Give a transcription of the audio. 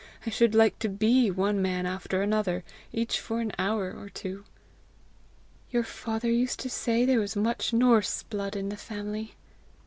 I should like to BE one man after another each for an hour or two!" "Your father used to say there was much Norse blood in the family."